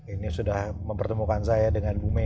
ini sudah mempertemukan saya dengan bume